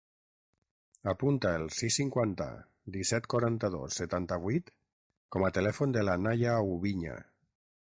Apunta el sis, cinquanta, disset, quaranta-dos, setanta-vuit com a telèfon de la Naia Oubiña.